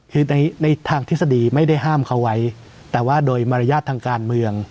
คือในทางทฤษฎีไม่ได้ห้ามเขาไว้แต่ว่าโดยมารยาททางการเมือง